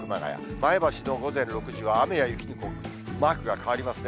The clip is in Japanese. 前橋の午前６時は雨や雪にマークが変わりますね。